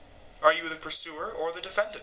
are you the pursuer or the defendant?